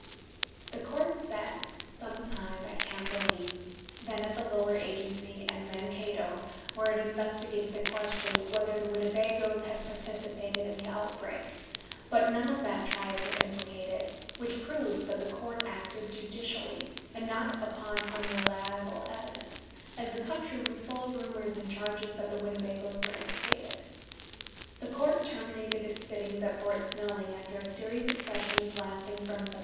The court sat some time at Camp Release, then at the Lower Agency, and Mankato, where it investigated the question whether the Winnebagoes had participated in the outbreak; but none of that tribe were implicated, which proves that the court acted judicially, and not upon unreliable evidence, as the country was full of rumors and charges that the Winnebagoes were implicated. The court terminated its sittings at Fort Snelling, after a series of sessions lasting from Sept.